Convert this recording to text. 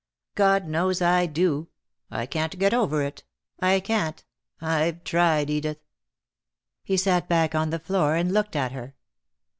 "God knows I do. I can't get over it. I can't. I've tried, Edith." He sat back on the floor and looked at her.